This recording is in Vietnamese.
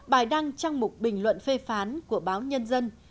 bài đăng trong một bình luận phê phán của báo nhân dân